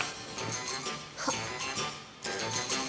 はっ。